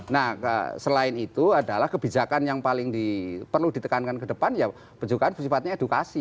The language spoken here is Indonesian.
nah selain itu adalah kebijakan yang paling perlu ditekankan ke depan ya penjagaan bersifatnya edukasi